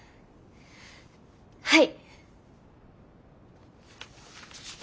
はい。